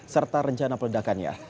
serta rencana peledakannya